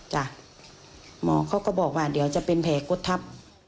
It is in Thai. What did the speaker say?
หมอเขาก็บอกว่าเดี๋ยวจะเป็นแผลกดทับ